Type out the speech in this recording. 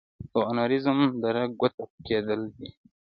د انوریزم د رګ ګوټه کېدل دي.